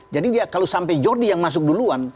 jadi dia kalau sampai jordi yang masuk duluan